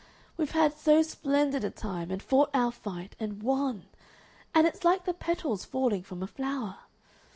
We've had so splendid a time, and fought our fight and won. And it's like the petals falling from a flower.